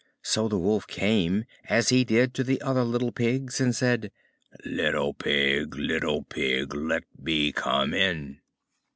So the Wolf came, as he did to the other little Pigs, and said, "Little Pig, little Pig, let me come in."